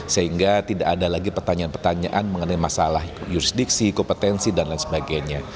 sehingga tidak ada lagi pertanyaan pertanyaan mengenai masalah jusdiksi kompetensi dan lain sebagainya